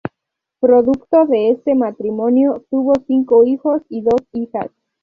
Producto de este matrimonio, tuvo cinco hijos y dos hijas.